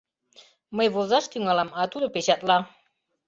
Мый возаш тӱҥалам, а тудо печатла.